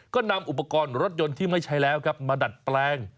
ก็นำอุปกรณ์รถยนต์ที่ไม่ใช้แล้วครับมาดัดแปลง